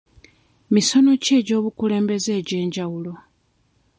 Misono ki egy'obukulembeze egy'enjawulo.